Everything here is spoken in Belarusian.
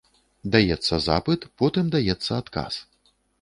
Даецца запыт, потым даецца адказ.